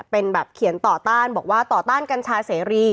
เป็นแบบเขียนต่อต้านบอกว่าต่อต้านกัญชาเสรี